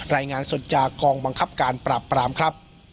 รายงานสดจากกองบังคับการปราบปรามครับ